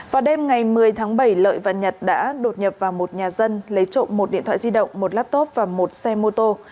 vào đêm ngày một mươi tháng bảy lợi và nhật đã đột nhập vào một nhà dân lấy trộm một điện thoại di động một laptop và một xe mô tô